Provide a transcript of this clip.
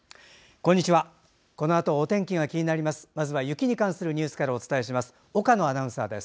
このあとお天気が気になります。